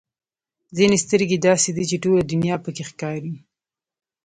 ځینې سترګې داسې دي چې ټوله دنیا پکې ښکاري.